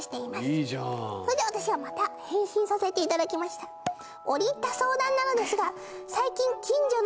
いいじゃんそれで私はまた返信させていただきました「おりいった相談なのですが最近近所のおじさんと」